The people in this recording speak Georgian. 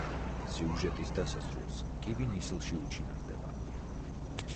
სიუჟეტის დასასრულს კივი ნისლში უჩინარდება.